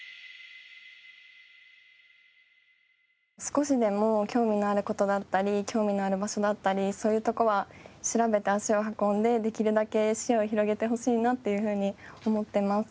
少しでも興味のある事だったり興味のある場所だったりそういうとこは調べて足を運んでできるだけ視野を広げてほしいなというふうに思っています。